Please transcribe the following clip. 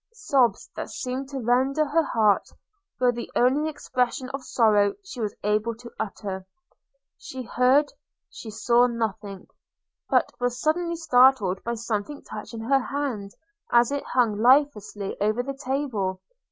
– Sobs, that seemed to rend her heart, were the only expression of sorrow she was able to utter; she heard, she saw nothing – but was suddenly startled by something touching her hand as it hung lifelessly over the table.